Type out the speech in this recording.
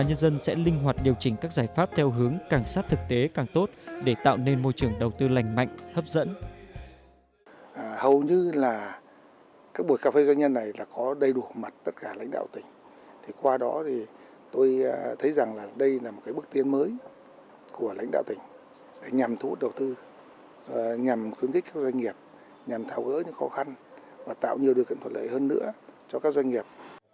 nhằm thảo gỡ những khó khăn và tạo nhiều điều kiện thuật lợi hơn nữa cho các doanh nghiệp